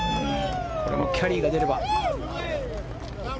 これもキャリーが出れば。